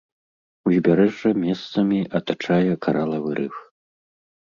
Узбярэжжа месцамі атачае каралавы рыф.